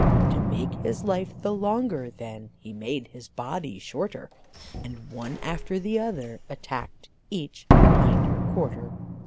To make his life the longer then, he made his body shorter, And one after the other attacked each hinder quarter.